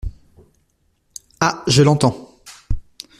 Ah ! je l’entends.